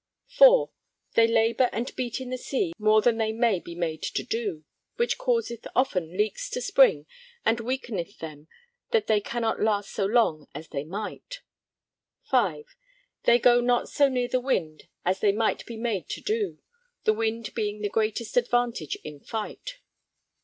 (4) They labour and beat in the sea more than they may be made to do; which causeth often leaks to spring and weakeneth them that they cannot last so long as they might. (5) They go not so near the wind as they might be made to do, the wind being the greatest advantage in fight.